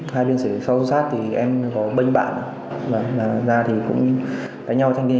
hai biên sĩ sau sát thì em có bênh bạn ra thì cũng đánh nhau